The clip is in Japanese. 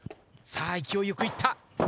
さあ勢いよくいった。